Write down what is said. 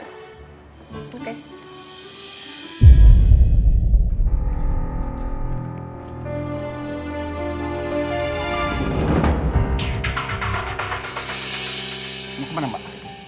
kamu kemana mbak